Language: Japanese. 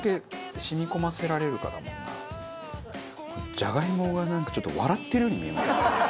じゃがいもがなんかちょっと笑ってるように見えません？